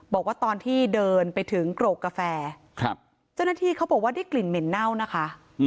บอกว่าตอนที่เดินไปถึงโกรกกาแฟเจ้าหน้าที่เขาบอกว่าได้กลิ่นเหม็นเน่านะคะ